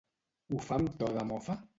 Ho fa amb to de mofa?